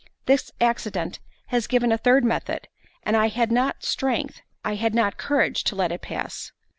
This accident has given a third method, and I had not strength, I had not courage, to let it pass.